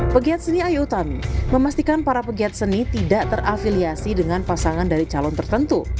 pegiat seni ayu utami memastikan para pegiat seni tidak terafiliasi dengan pasangan dari calon tertentu